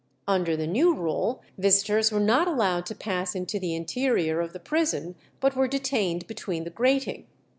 Under the new rule visitors were not allowed to pass into the interior of the prison, but were detained between the grating.